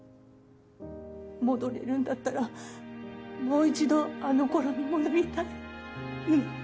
戻れるんだったらもう一度あの頃に戻りたい。